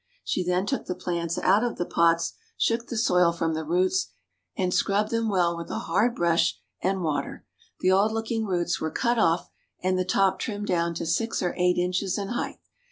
She then took the plants out of the pots, shook the soil from the roots, and scrubbed them well with a hard brush and water. The old looking roots were cut off and the top trimmed down to six or eight inches in height.